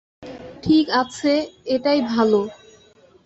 ঠিক আছে, এটাই ভালো।